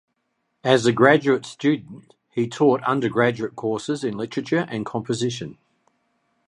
As a graduate student, he taught undergraduate courses in literature and composition.